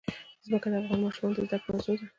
ځمکه د افغان ماشومانو د زده کړې موضوع ده.